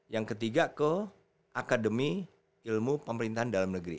yang ketiga ke akademi ilmu pemerintahan dalam negeri